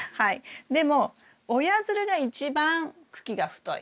でも親づるが一番茎が太い。